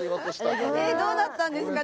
えどうだったんですかね。